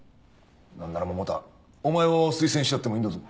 何なら百田お前を推薦してやってもいいんだぞ？